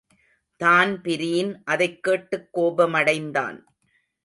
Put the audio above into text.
Dan Breen அதைக் கேட்டுக் கோபமடைந்தான்.